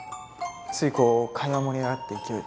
ついこう会話盛り上がった勢いで。